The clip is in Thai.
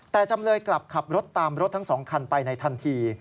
แต่จำเลยกลับขับรถตามรถทั้ง๒คันไปในทันที